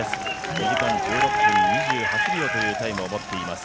２時間１６分２８秒というタイムを持っています。